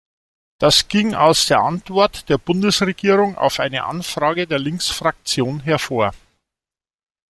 Das ging aus der Antwort der Bundesregierung auf eine Anfrage der Linksfraktion hervor.